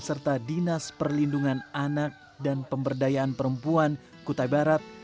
serta dinas perlindungan anak dan pemberdayaan perempuan kutai barat